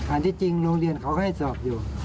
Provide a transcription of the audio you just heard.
ที่จริงโรงเรียนเขาก็ให้สอบอยู่